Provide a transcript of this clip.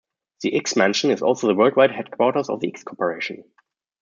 The X-Mansion is also the worldwide headquarters of the X-Corporation.